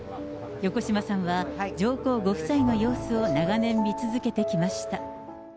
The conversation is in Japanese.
横島さんは上皇ご夫妻の様子を長年見続けてきました。